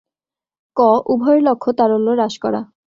ক. উভয়ের লক্ষ্য তারল্য হ্রাস করা